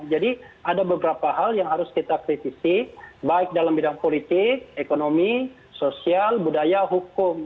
ada beberapa hal yang harus kita kritisi baik dalam bidang politik ekonomi sosial budaya hukum